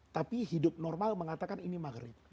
tapi hidup normal mengatakan ini maghrib